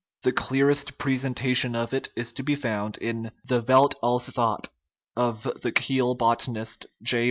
The clearest presentation of it is to be found in the Welt als That, of the Kiel botanist, J.